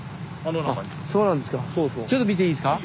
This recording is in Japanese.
ちょっと見ていいですか？